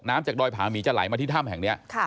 จากดอยผาหมีจะไหลมาที่ถ้ำแห่งนี้